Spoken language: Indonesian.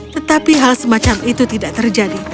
tetapi hal semacam itu tidak terjadi